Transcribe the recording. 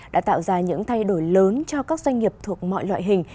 đã tạo ra những thay đổi lớn cho các doanh nghiệp thuộc mọi loại hình